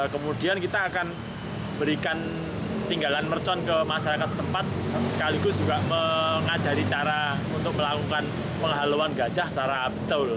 kemudian kita akan berikan tinggalan mercon ke masyarakat tempat sekaligus juga mengajari cara untuk melakukan penghalauan gajah secara betul